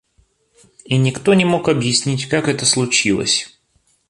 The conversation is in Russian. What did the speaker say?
И никто не мог объяснить, как это случилось.